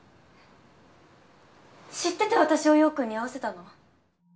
知ってて私を陽君に会わせたの？